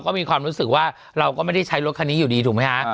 ก็มีความรู้สึกว่าเราก็ไม่ได้ใช้รถคันนี้อยู่ดีถูกไหมฮะ